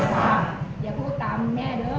อย่าพูดตามแน่เดิม